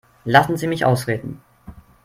Lassen Sie mich ausreden.